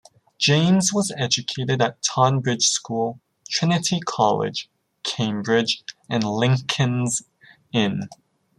James was educated at Tonbridge School, Trinity College, Cambridge and Lincoln's Inn.